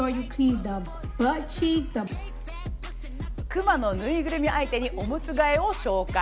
クマのぬいぐるみ相手にオムツ替えを紹介。